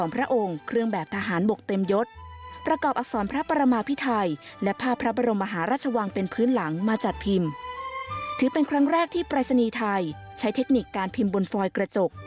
พุทธศักราชพิธีไทยใช้เทคนิคการพิมพ์บนฟอยกระจก